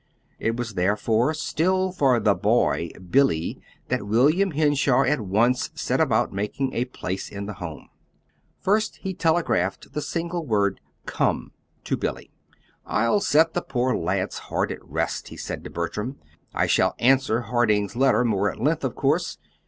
It was therefore still for the "boy," Billy, that William Henshaw at once set about making a place in the home. First he telegraphed the single word "Come" to Billy. "I'll set the poor lad's heart at rest," he said to Bertram. "I shall answer Harding's letter more at length, of course.